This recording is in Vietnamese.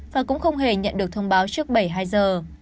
và cũng không hề nhận được thông báo trước bảy mươi hai giờ